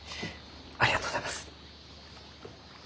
ありがとうございます。